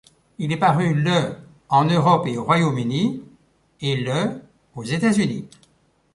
Il est paru le en Europe et au Royaume-Uni, et le aux États-Unis.